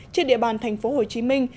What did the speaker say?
trên địa bàn thành phố hồ chí minh